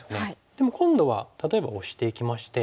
でも今度は例えばオシていきまして。